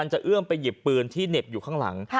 หยิบปืนที่เหน็บอยู่ข้างหลัง